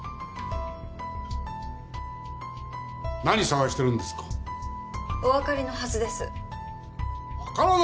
何捜してるんですか？